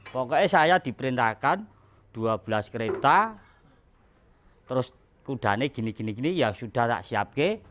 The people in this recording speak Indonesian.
pokoknya saya diperintahkan dua belas kereta terus kuda ini gini gini ya sudah siap